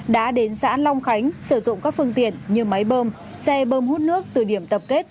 đã đến xã long khánh sử dụng các phương tiện như máy bơm xe bơm hút nước từ điểm tập kết